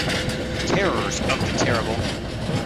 Terrors of the terrible!